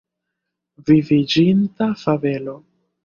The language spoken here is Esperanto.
Viviĝinta fabelo.